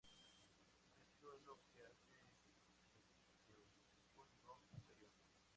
Esto es lo que hace el pseudocódigo anterior.